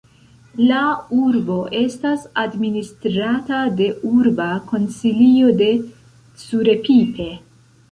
La urbo estas administrata de Urba Konsilio de Curepipe.